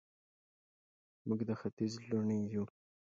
موږ د ختیځ لوڼې یو